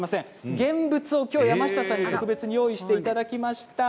現物を山下さんに特別に用意していただきました。